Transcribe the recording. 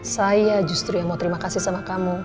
saya justru yang mau terima kasih sama kamu